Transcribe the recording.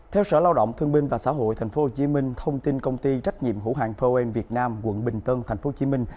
theo sở lao động thương minh và xã hội tp hcm thông tin công ty trách nhiệm hữu hạng pohen việt nam quận bình tân tp hcm